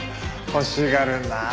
欲しがるなあ。